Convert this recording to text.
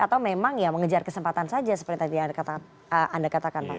atau memang ya mengejar kesempatan saja seperti tadi anda katakan pak